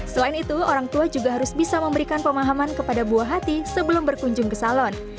selain itu orang tua juga harus bisa memberikan pemahaman kepada buah hati sebelum berkunjung ke salon